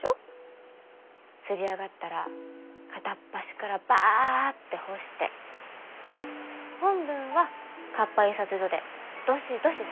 刷り上がったら片っ端からバッて干して本文は活版印刷所でどしどし刷って。